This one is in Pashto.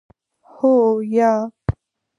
هو 👍 یا 👎